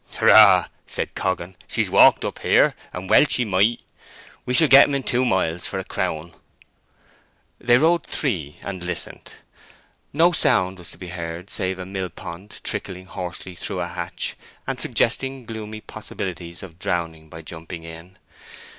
"Hurrah!" said Coggan. "She walked up here—and well she might. We shall get them in two miles, for a crown." They rode three, and listened. No sound was to be heard save a millpond trickling hoarsely through a hatch, and suggesting gloomy possibilities of drowning by jumping in.